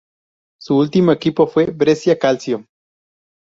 Su último equipo fue Brescia Calcio.